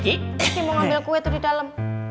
kiki mau ngambil kue tuh didalem